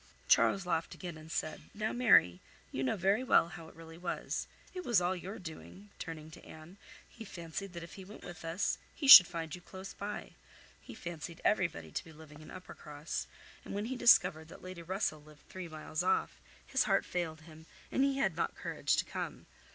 Charles laughed again and said, "Now Mary, you know very well how it really was. It was all your doing," (turning to Anne.) "He fancied that if he went with us, he should find you close by: he fancied everybody to be living in Uppercross; and when he discovered that Lady Russell lived three miles off, his heart failed him, and he had not courage to come.